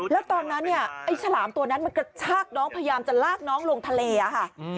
แล้วตอนนั้นเนี่ยไอ้ฉลามตัวนั้นมันกระชากน้องพยายามจะลากน้องลงทะเลค่ะ